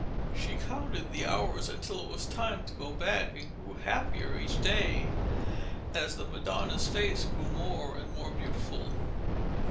She counted the hours until it was time to go back, and grew happier each day as the Madonna's face grew more and more beautiful.